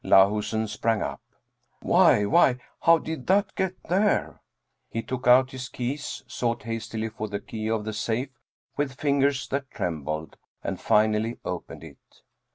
Lahusen sprang up. " Why why, how did that get there ?" He took out his keys, sought hastily for the key of the safe with fingers that trembled, and finally opened it.